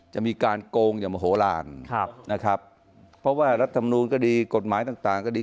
มีการโกงอย่างมโหลานนะครับเพราะว่ารัฐมนูลก็ดีกฎหมายต่างก็ดี